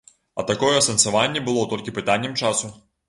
А такое асэнсаванне было толькі пытаннем часу.